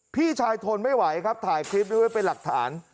พี่ชายทนไม่ไหวครับถ่ายคลิปนี้ไว้เป็นหลักฐาน